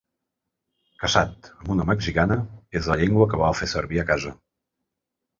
Casat amb una mexicana, és la llengua que fa servir a casa.